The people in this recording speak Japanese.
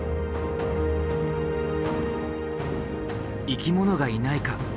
生き物がいないか？